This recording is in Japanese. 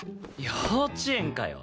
幼稚園かよ。